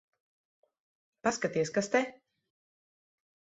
Paskaties, kas te...